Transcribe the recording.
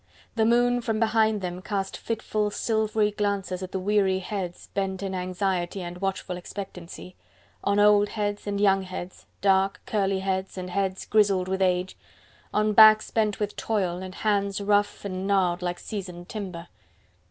The moon, from behind them, cast fitful, silvery glances at the weary heads bent in anxiety and watchful expectancy: on old heads and young heads, dark, curly heads and heads grizzled with age, on backs bent with toil, and hands rough and gnarled like seasoned timber.